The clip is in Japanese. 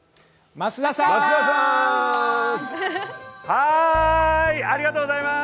はーい、ありがとうございます。